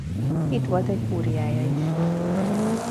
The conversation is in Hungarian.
Itt volt egy kúriája is.